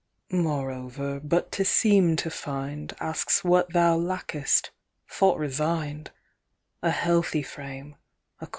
"Moreover, but to seem to find Asks what thou lackest, thought resign'd, A healthy frame, a quiet mind."